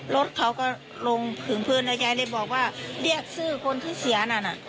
รถเขาก็ลงถึงพื้นแล้วยายเลยบอกว่าเรียกชื่อคนที่เสียนั่นน่ะ